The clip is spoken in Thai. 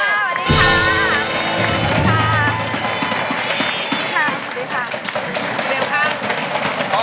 สวัสดีค่ะ